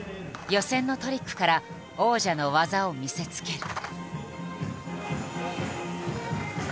予選のトリックから王者の技を見せつける。